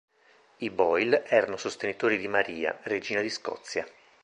I Boyle erano sostenitori di Maria, regina di Scozia.